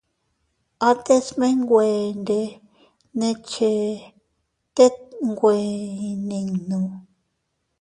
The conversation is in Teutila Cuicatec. Ates menwe nde ne cheʼe tet nwe iyninnu.